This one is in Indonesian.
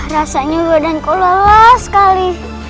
rasanya badanku lelah sekali